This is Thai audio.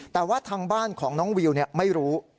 แต่ว่าทางบ้านของน้องวิวไม่รู้